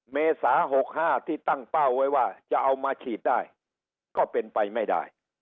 เมษา๖๕ที่ตั้งเป้าไว้ว่าจะเอามาฉีดได้ก็เป็นไปไม่ได้